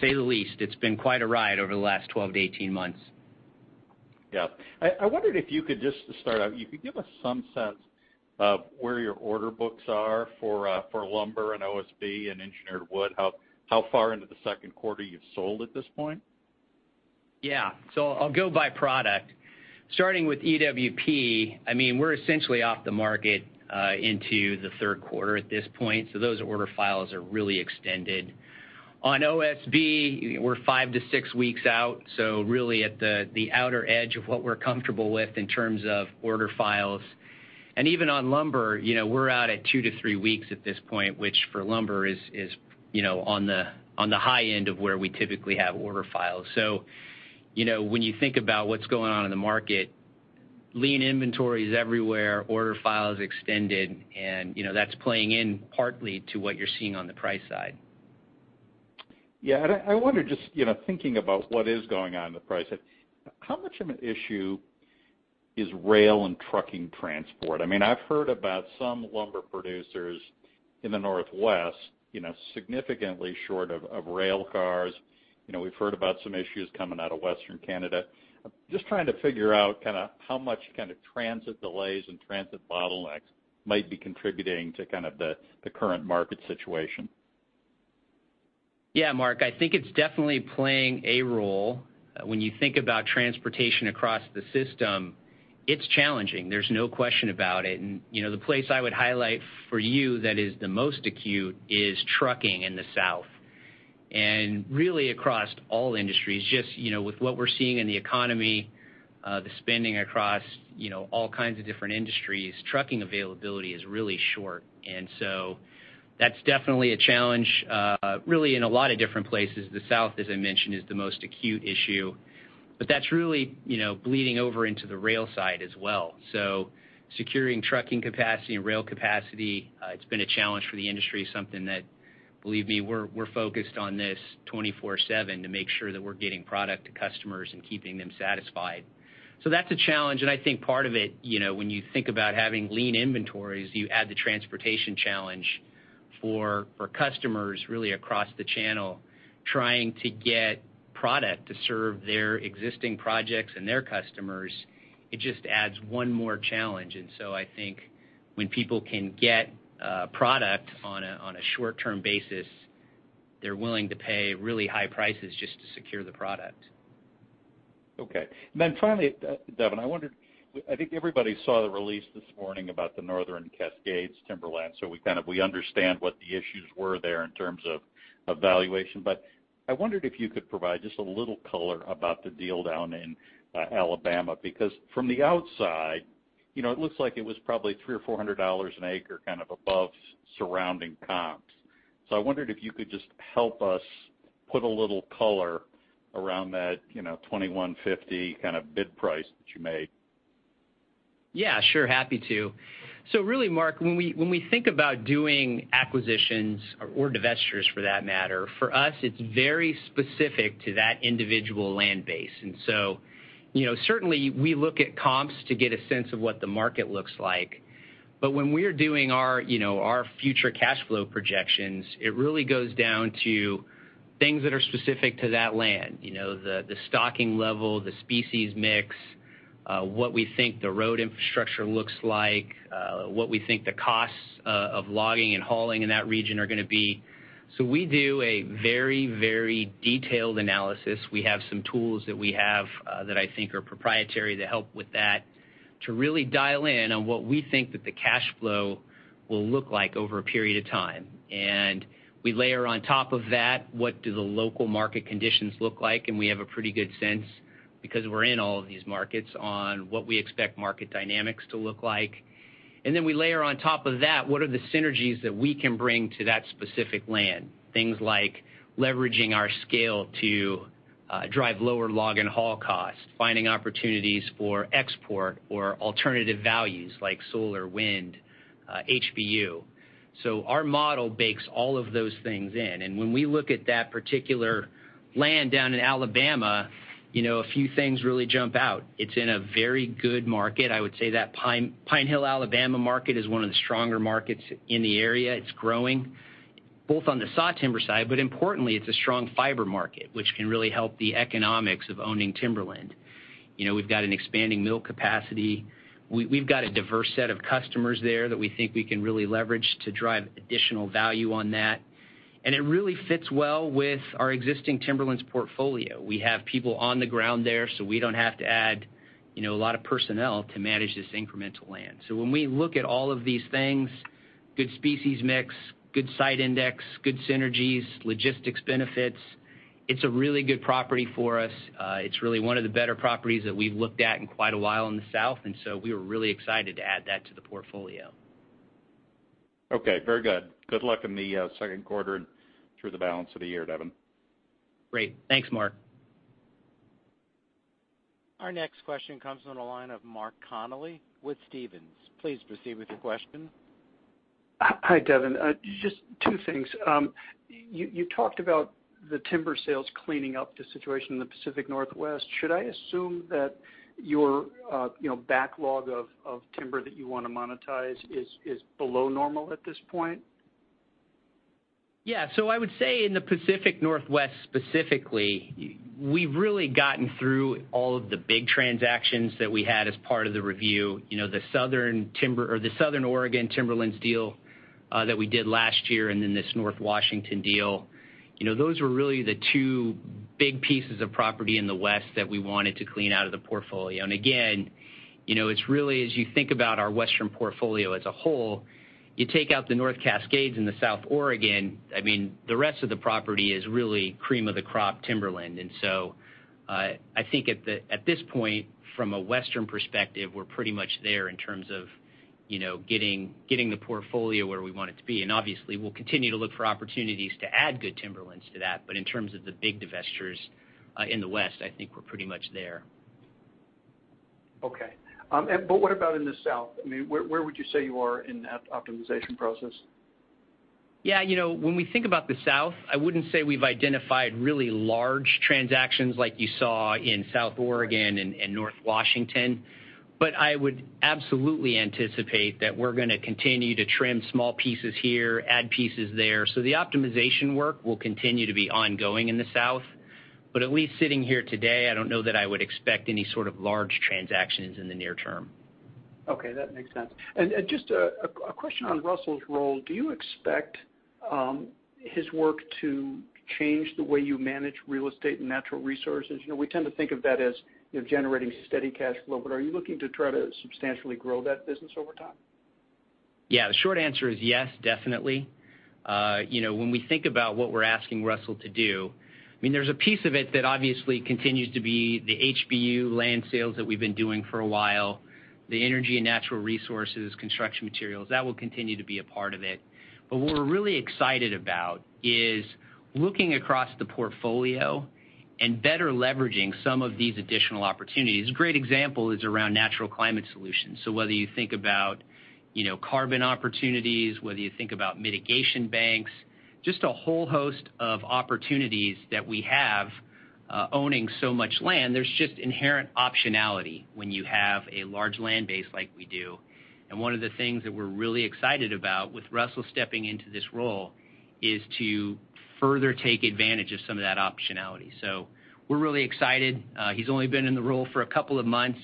say the least. It's been quite a ride over the last 12-18 months.
Yeah. I wondered if you could just to start out, you could give us some sense of where your order books are for lumber and OSB and engineered wood, how far into the second quarter you've sold at this point?
Yeah. I'll go by product. Starting with EWP, we're essentially off the market into the third quarter at this point. Those order files are really extended. On OSB, we're five to six weeks out, so really at the outer edge of what we're comfortable with in terms of order files. Even on lumber, we're out at two to three weeks at this point, which for lumber is on the high end of where we typically have order files. When you think about what's going on in the market, lean inventories everywhere, order files extended, and that's playing in partly to what you're seeing on the price side.
Yeah. I wonder, just thinking about what is going on in the price side, how much of an issue is rail and trucking transport? I've heard about some lumber producers in the Northwest significantly short of rail cars. We've heard about some issues coming out of Western Canada. I'm just trying to figure out how much kind of transit delays and transit bottlenecks might be contributing to kind of the current market situation.
Yeah, Mark, I think it's definitely playing a role. When you think about transportation across the system, it's challenging. There's no question about it. The place I would highlight for you that is the most acute is trucking in the South. Really across all industries, just with what we're seeing in the economy, the spending across all kinds of different industries, trucking availability is really short. That's definitely a challenge really in a lot of different places. The South, as I mentioned, is the most acute issue, but that's really bleeding over into the rail side as well. Securing trucking capacity and rail capacity, it's been a challenge for the industry, something that, believe me, we're focused on this 24/7 to make sure that we're getting product to customers and keeping them satisfied. That's a challenge, and I think part of it, when you think about having lean inventories, you add the transportation challenge for customers really across the channel trying to get product to serve their existing projects and their customers. It just adds one more challenge. I think when people can get product on a short-term basis, they're willing to pay really high prices just to secure the product.
Okay. Finally, Devin, I wondered, I think everybody saw the release this morning about the Northern Cascades Timberlands. We understand what the issues were there in terms of valuation. I wondered if you could provide just a little color about the deal down in Alabama, because from the outside, it looks like it was probably $300 or $400 an acre kind of above surrounding comps. I wondered if you could just help us put a little color around that $2,150 kind of bid price that you made.
Yeah, sure. Happy to. Really, Mark, when we think about doing acquisitions or divestitures for that matter, for us, it's very specific to that individual land base. Certainly we look at comps to get a sense of what the market looks like. When we're doing our future cash flow projections, it really goes down to things that are specific to that land. The stocking level, the species mix, what we think the road infrastructure looks like, what we think the costs of logging and hauling in that region are going to be. We do a very detailed analysis. We have some tools that we have that I think are proprietary that help with that to really dial in on what we think that the cash flow will look like over a period of time. We layer on top of that, what do the local market conditions look like, and we have a pretty good sense because we're in all of these markets on what we expect market dynamics to look like. We layer on top of that, what are the synergies that we can bring to that specific land? Things like leveraging our scale to drive lower log and haul costs, finding opportunities for export or alternative values like solar, wind, HBU. Our model bakes all of those things in. When we look at that particular land down in Alabama, a few things really jump out. It's in a very good market. I would say that Pine Hill, Alabama market is one of the stronger markets in the area. It's growing both on the sawtimber side, but importantly, it's a strong fiber market, which can really help the economics of owning timberland. We've got an expanding mill capacity. We've got a diverse set of customers there that we think we can really leverage to drive additional value on that. It really fits well with our existing Timberlands portfolio. We have people on the ground there, so we don't have to add a lot of personnel to manage this incremental land. When we look at all of these things, good species mix, good site index, good synergies, logistics benefits, it's a really good property for us. It's really one of the better properties that we've looked at in quite a while in the South, and so we were really excited to add that to the portfolio.
Okay. Very good. Good luck in the second quarter and through the balance of the year, Devin.
Great. Thanks, Mark.
Our next question comes on the line of Mark Connelly with Stephens. Please proceed with your question.
Hi, Devin. Just two things. You talked about the timber sales cleaning up the situation in the Pacific Northwest. Should I assume that your backlog of Timberlands that you want to monetize is below normal at this point?
I would say in the Pacific Northwest specifically, we've really gotten through all of the big transactions that we had as part of the review. The Southern Oregon Timberlands deal that we did last year, this North Washington deal, those were really the two big pieces of property in the West that we wanted to clean out of the portfolio. Again, it's really as you think about our Western portfolio as a whole, you take out the North Cascades and the South Oregon, I mean, the rest of the property is really cream-of-the-crop timberland. I think at this point, from a Western perspective, we're pretty much there in terms of getting the portfolio where we want it to be. Obviously, we'll continue to look for opportunities to add good timberlands to that. In terms of the big divestitures in the West, I think we're pretty much there.
Okay. What about in the South? I mean, where would you say you are in that optimization process?
Yeah. When we think about the Southern Timberlands, I wouldn't say we've identified really large transactions like you saw in South Oregon and North Washington. I would absolutely anticipate that we're going to continue to trim small pieces here, add pieces there. The optimization work will continue to be ongoing in the Southern Timberlands. At least sitting here today, I don't know that I would expect any sort of large transactions in the near term.
Okay. That makes sense. Just a question on Russell's role. Do you expect his work to change the way you manage Real Estate and Natural Resources? We tend to think of that as generating steady cash flow, are you looking to try to substantially grow that business over time?
Yeah. The short answer is yes, definitely. When we think about what we're asking Russell Hagen to do, I mean, there's a piece of it that obviously continues to be the HBU land sales that we've been doing for a while, the Energy and Natural Resources, construction materials, that will continue to be a part of it. What we're really excited about is looking across the portfolio and better leveraging some of these additional opportunities. A great example is around natural climate solutions. Whether you think about carbon opportunities, whether you think about mitigation banks, just a whole host of opportunities that we have owning so much land. There's just inherent optionality when you have a large land base like we do. One of the things that we're really excited about with Russell Hagen stepping into this role is to further take advantage of some of that optionality. We're really excited. He's only been in the role for a couple of months.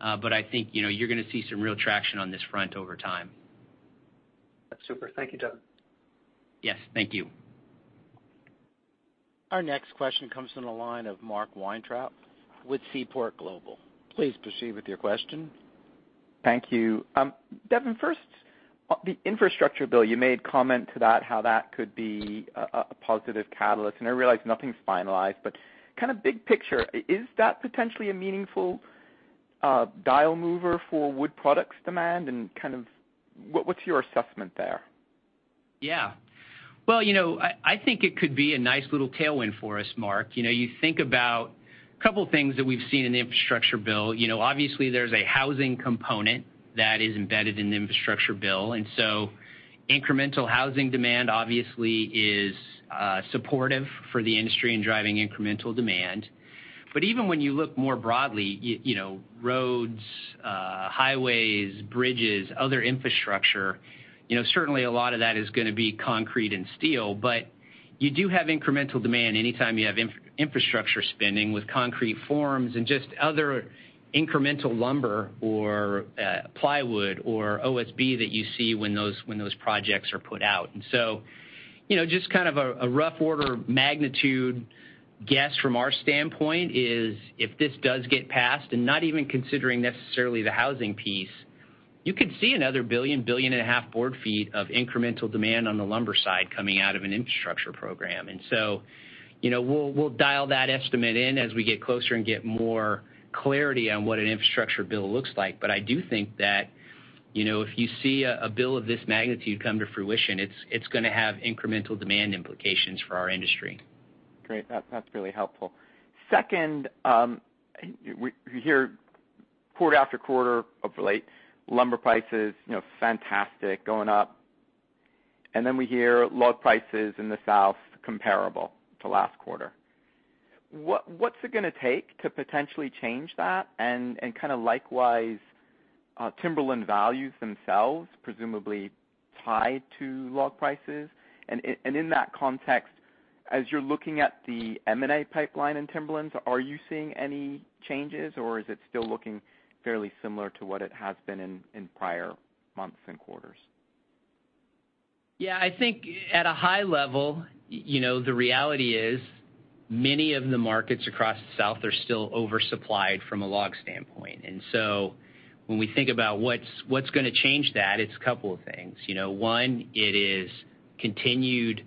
I think you're going to see some real traction on this front over time.
Super. Thank you, Devin.
Yes. Thank you.
Our next question comes from the line of Mark Weintraub with Seaport Global. Please proceed with your question.
Thank you. Devin, first, the infrastructure bill, you made comment to that, how that could be a positive catalyst. I realize nothing's finalized, kind of big picture, is that potentially a meaningful dial mover for Wood Products demand? What's your assessment there?
Well, I think it could be a nice little tailwind for us, Mark. You think about a couple of things that we've seen in the infrastructure bill. Obviously, there's a housing component that is embedded in the infrastructure bill. Incremental housing demand, obviously, is supportive for the industry in driving incremental demand. Even when you look more broadly, roads, highways, bridges, other infrastructure, certainly a lot of that is going to be concrete and steel, but you do have incremental demand anytime you have infrastructure spending with concrete forms and just other incremental lumber or plywood or OSB that you see when those projects are put out. Just kind of a rough order of magnitude guess from our standpoint is if this does get passed, not even considering necessarily the housing piece, you could see another 1 billion, 1.5 billion board ft of incremental demand on the lumber side coming out of an infrastructure program. We'll dial that estimate in as we get closer and get more clarity on what an infrastructure bill looks like. I do think that, if you see a bill of this magnitude come to fruition, it's going to have incremental demand implications for our industry.
Great. That's really helpful. Second, we hear quarter after quarter of late lumber prices, fantastic, going up. We hear log prices in the south comparable to last quarter. What's it going to take to potentially change that and kind of likewise, Timberlands values themselves presumably tied to log prices? In that context, as you're looking at the M&A pipeline in Timberlands, are you seeing any changes or is it still looking fairly similar to what it has been in prior months and quarters?
Yeah, I think at a high level, the reality is many of the markets across the South are still oversupplied from a log standpoint. When we think about what's going to change that, it's a couple of things. One, it is continued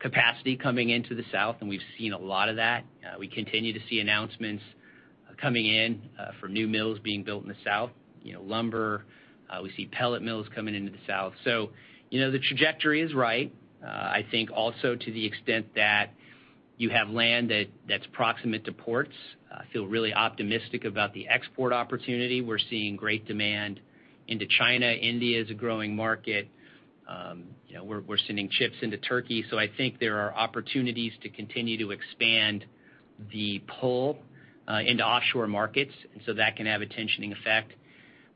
capacity coming into the South, and we've seen a lot of that. We continue to see announcements coming in from new mills being built in the South. Lumber, we see pellet mills coming into the South. The trajectory is right. I think also to the extent that you have land that's proximate to ports, I feel really optimistic about the export opportunity. We're seeing great demand into China. India is a growing market. We're sending chips into Turkey. I think there are opportunities to continue to expand the pull into offshore markets, and that can have a tensioning effect.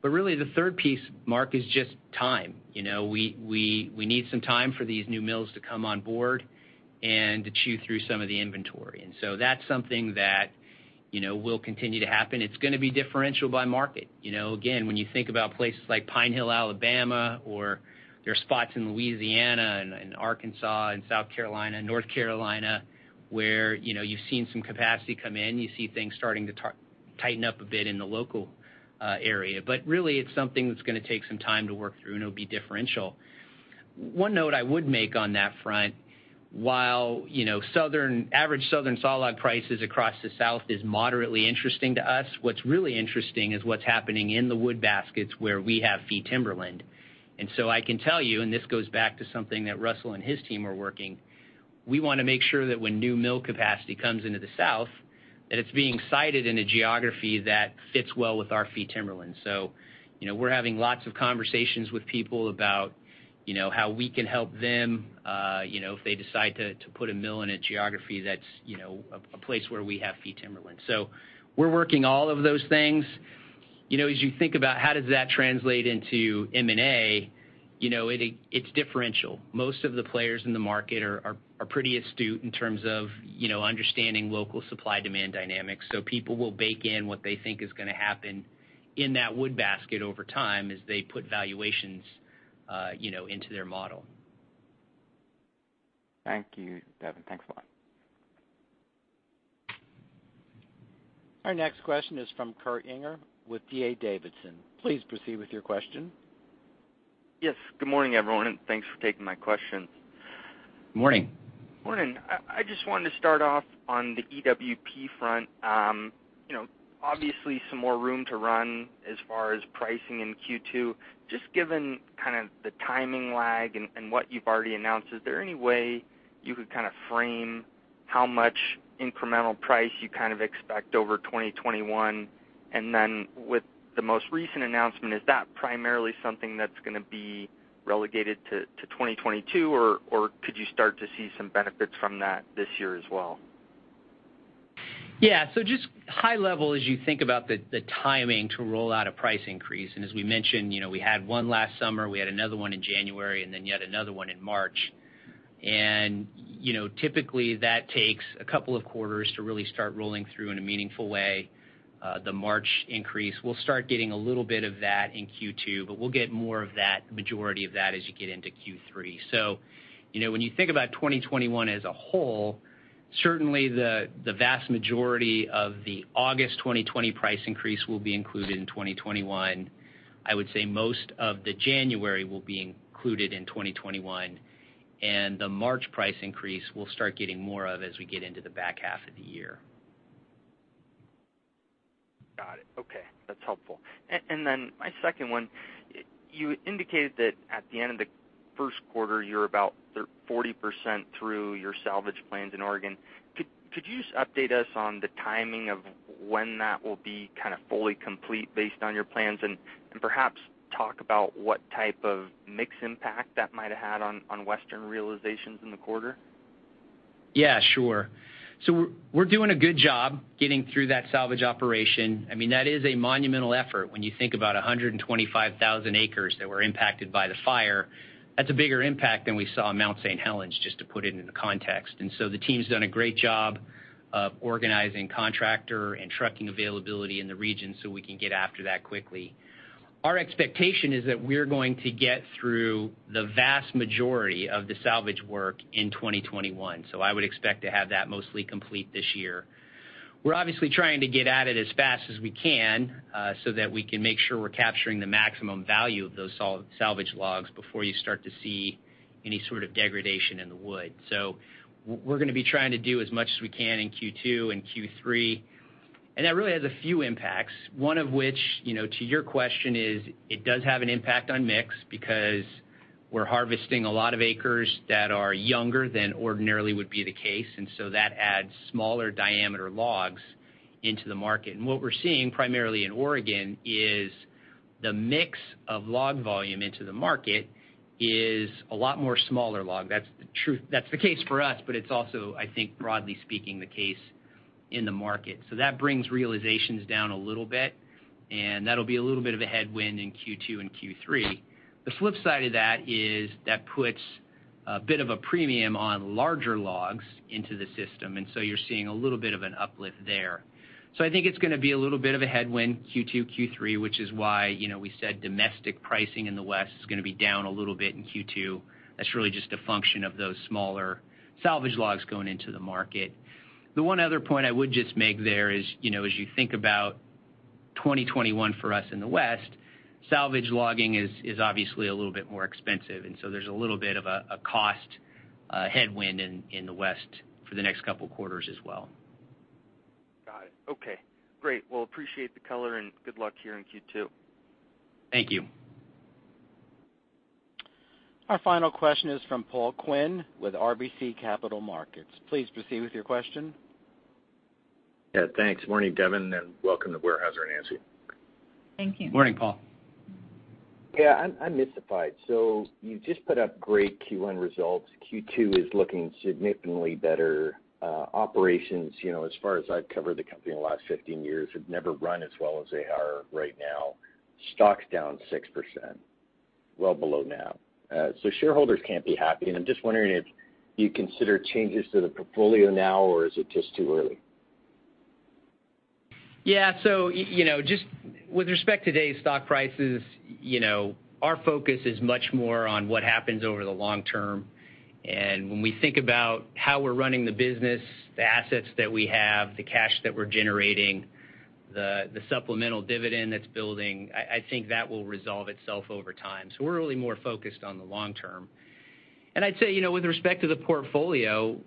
Really the third piece, Mark, is just time. We need some time for these new mills to come on board and to chew through some of the inventory. That's something that will continue to happen. It's going to be differential by market. Again, when you think about places like Pine Hill, Alabama, or there are spots in Louisiana and Arkansas and South Carolina, North Carolina, where you've seen some capacity come in. You see things starting to tighten up a bit in the local area. Really it's something that's going to take some time to work through, and it'll be differential. One note I would make on that front, while average southern sawlog prices across the South is moderately interesting to us, what's really interesting is what's happening in the wood baskets where we have fee timberland. I can tell you, and this goes back to something that Russell and his team are working, we want to make sure that when new mill capacity comes into the South, that it's being sited in a geography that fits well with our fee timberland. We're having lots of conversations with people about how we can help them, if they decide to put a mill in a geography that's a place where we have fee timberland. We're working all of those things. As you think about how does that translate into M&A, it's differential. Most of the players in the market are pretty astute in terms of understanding local supply-demand dynamics. People will bake in what they think is going to happen in that wood basket over time as they put valuations into their model.
Thank you, Devin. Thanks a lot.
Our next question is from Kurt Yinger with D.A. Davidson. Please proceed with your question.
Yes. Good morning, everyone, and thanks for taking my question.
Morning.
Morning. I just wanted to start off on the EWP front. Obviously some more room to run as far as pricing in Q2. Just given kind of the timing lag and what you've already announced, is there any way you could kind of frame how much incremental price you kind of expect over 2021? With the most recent announcement, is that primarily something that's going to be relegated to 2022, or could you start to see some benefits from that this year as well?
Just high level, as you think about the timing to roll out a price increase, as we mentioned, we had one last summer, we had another one in January, yet another one in March. Typically that takes a couple of quarters to really start rolling through in a meaningful way. The March increase, we'll start getting a little bit of that in Q2, we'll get more of that, the majority of that as you get into Q3. When you think about 2021 as a whole, certainly the vast majority of the August 2020 price increase will be included in 2021. I would say most of the January will be included in 2021, the March price increase we'll start getting more of as we get into the back half of the year.
Okay, that's helpful. My second one, you indicated that at the end of the first quarter, you're about 40% through your salvage plans in Oregon. Could you just update us on the timing of when that will be kind of fully complete based on your plans? Perhaps talk about what type of mix impact that might have had on Western realizations in the quarter.
Yeah, sure. We're doing a good job getting through that salvage operation. That is a monumental effort when you think about 125,000 acres that were impacted by the fire. That's a bigger impact than we saw in Mount St. Helens, just to put it into context. The team's done a great job of organizing contractor and trucking availability in the region so we can get after that quickly. Our expectation is that we're going to get through the vast majority of the salvage work in 2021, so I would expect to have that mostly complete this year. We're obviously trying to get at it as fast as we can, so that we can make sure we're capturing the maximum value of those salvage logs before you start to see any sort of degradation in the wood. We're going to be trying to do as much as we can in Q2 and Q3, that really has a few impacts, one of which, to your question is, it does have an impact on mix because we're harvesting a lot of acres that are younger than ordinarily would be the case, that adds smaller diameter logs into the market. What we're seeing primarily in Oregon is the mix of log volume into the market is a lot more smaller log. That's the case for us, but it's also, I think, broadly speaking, the case in the market. That brings realizations down a little bit, and that'll be a little bit of a headwind in Q2 and Q3. The flip side of that is that puts a bit of a premium on larger logs into the system, and so you're seeing a little bit of an uplift there. I think it's going to be a little bit of a headwind, Q2, Q3, which is why we said domestic pricing in the West is going to be down a little bit in Q2. That's really just a function of those smaller salvage logs going into the market. The one other point I would just make there is, as you think about 2021 for us in the West, salvage logging is obviously a little bit more expensive, and so there's a little bit of a cost headwind in the West for the next couple of quarters as well.
Got it. Okay, great. Well, appreciate the color and good luck here in Q2.
Thank you.
Our final question is from Paul Quinn with RBC Capital Markets. Please proceed with your question.
Yeah, thanks. Morning, Devin, and welcome to Weyerhaeuser, Nancy.
Thank you. Morning, Paul.
Yeah, I'm mystified. You just put up great Q1 results. Q2 is looking significantly better. Operations, as far as I've covered the company in the last 15 years, have never run as well as they are right now. Stock's down 6%, well below NAV. Shareholders can't be happy, and I'm just wondering if you consider changes to the portfolio now, or is it just too early?
Just with respect to today's stock prices, our focus is much more on what happens over the long term. When we think about how we're running the business, the assets that we have, the cash that we're generating, the supplemental dividend that's building, I think that will resolve itself over time. We're really more focused on the long term. I'd say, with respect to the portfolio,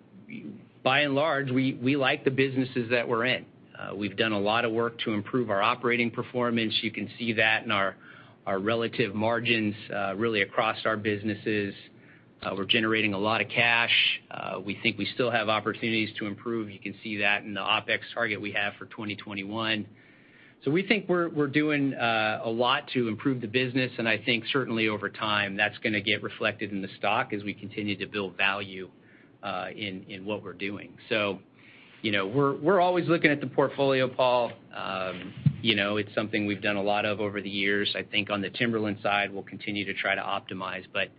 by and large, we like the businesses that we're in. We've done a lot of work to improve our operating performance. You can see that in our relative margins really across our businesses. We're generating a lot of cash. We think we still have opportunities to improve. You can see that in the OpEx target we have for 2021. We think we're doing a lot to improve the business, and I think certainly over time, that's going to get reflected in the stock as we continue to build value in what we're doing. We're always looking at the portfolio, Paul. It's something we've done a lot of over the years. I think on the timberland side, we'll continue to try to optimize, but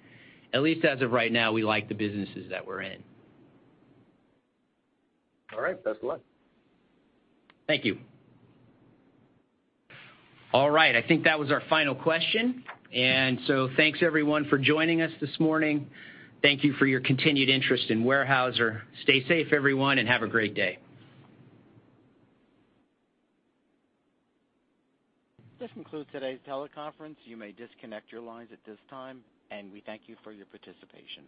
at least as of right now, we like the businesses that we're in.
All right. Best of luck.
Thank you. All right. I think that was our final question. Thanks everyone for joining us this morning. Thank you for your continued interest in Weyerhaeuser. Stay safe, everyone, and have a great day.
This concludes today's teleconference. You may disconnect your lines at this time, and we thank you for your participation.